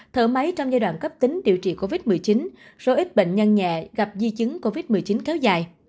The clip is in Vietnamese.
thở máy trong giai đoạn cấp tính điều trị covid một mươi chín số ít bệnh nhân nhẹ gặp di chứng covid một mươi chín kéo dài